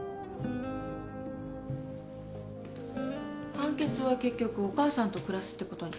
判決は結局お母さんと暮らすってことに？